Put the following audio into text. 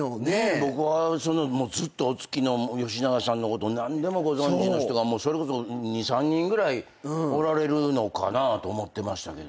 僕はずっとお付きの吉永さんのことを何でもご存じの人がそれこそ２３人ぐらいおられるのかと思ってましたけど。